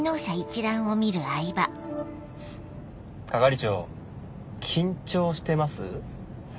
係長緊張してます？